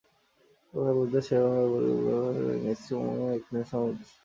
গতকাল বুধবার শেরেবাংলা নগরের পরিকল্পনা কমিশনের এনইসি সম্মেলনকক্ষে একনেকের সভা অনুষ্ঠিত হয়।